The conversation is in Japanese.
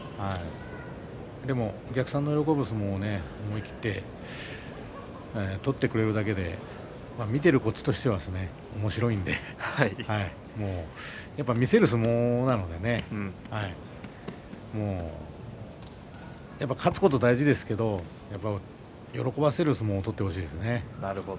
でもお客さんの喜ぶ相撲を思い切って取ってくれるだけで見ている、こっちとしてはおもしろいのでやっぱり見せる相撲なのでね勝つことは大事ですけど喜ばせる相撲を取ってほしいですね。